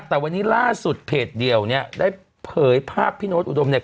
แต่วันนี้ล่าสุดเพจเดียวเนี่ยได้เผยภาพพี่โน๊ตอุดมเนี่ย